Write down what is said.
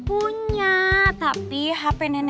punya tapi hp nenengnya ga ada